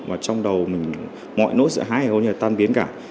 và trong đầu mình mọi nỗi sợ hãi hầu như là tan biến cả